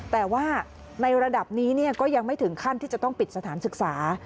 แต่ว่าในระดับนี้ก็ยังไม่ถึงขั้นที่จะต้องปิดสถานศึกษา